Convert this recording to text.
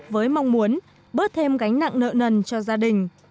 với mong muốn bớt thêm gánh nặng nợ nần cho gia đình